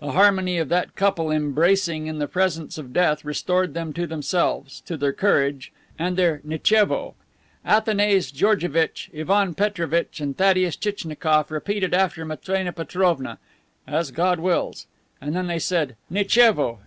The harmony of that couple embracing in the presence of death restored them to themselves, to their courage, and their "Nitchevo." Athanase Georgevitch, Ivan Petrovitch and Thaddeus Tchitchnikoff repeated after Matrena Petrovna, "As God wills." And then they said "Nitchevo!